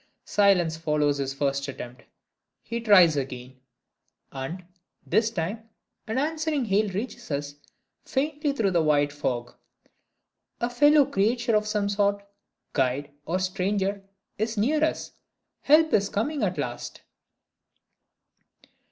Silence follows his first attempt. He tries again; and, this time, an answering hail reaches us faintly through the white fog. A fellow creature of some sort, guide or stranger, is near us help is coming at last!